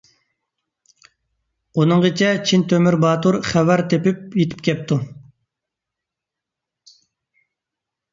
ئۇنىڭغىچە چىن تۆمۈر باتۇر خەۋەر تېپىپ يېتىپ كەپتۇ.